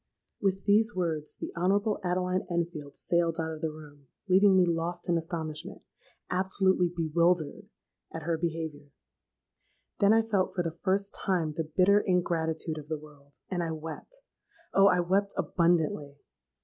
"With these words the honourable Adeline Enfield sailed out of the room, leaving me lost in astonishment—absolutely bewildered—at her behaviour. Then I felt for the first time the bitter ingratitude of the world, and I wept. Oh! I wept abundantly.